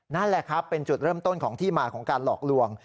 นั่นแหละครับเป็นจุดเริ่มต้นของที่มาของการหลอกลวง